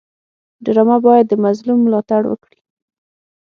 ډرامه باید د مظلوم ملاتړ وکړي